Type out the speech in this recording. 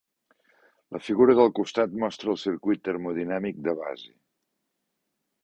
La figura del costat mostra el circuit termodinàmic de base.